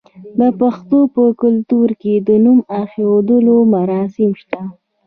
د پښتنو په کلتور کې د نوم ایښودلو مراسم شته.